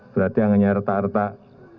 berarti hanya retak retak